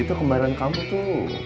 itu kembaran kamu tuh